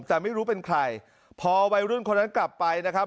แต่ไม่รู้เป็นใครพอวัยรุ่นคนนั้นกลับไปนะครับ